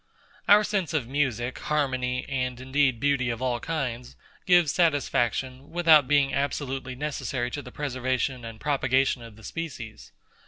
Our sense of music, harmony, and indeed beauty of all kinds, gives satisfaction, without being absolutely necessary to the preservation and propagation of the species.